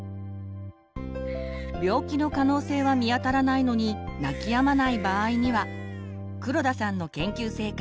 病気の可能性は見当たらないのに泣きやまない場合には黒田さんの研究成果。